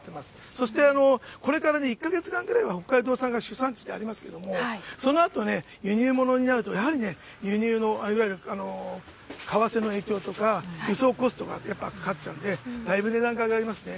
そしてこれから１か月間ぐらいは北海道産が主産地でありますけれども、そのあとね、輸入物になると、やはりね、輸入のいわゆる為替の影響とか、輸送コストがやっぱりかかっちゃうんで、だいぶ値段が上がりますね。